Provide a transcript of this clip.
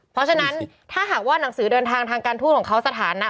เพราะฉะนั้นถ้าหากว่าหนังสือเดินทางทางการทูตของเขาสถานะ